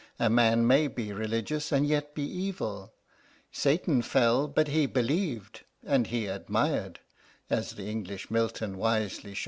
A man may be religious and yet be evil. Satan fell, but he believed and he admired, as the English Milton wisely shows it."